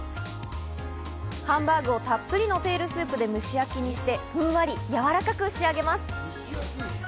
ハンバーグをたっぷりのテールスープで蒸し焼きにして、ふんわりやわらかく仕上げます。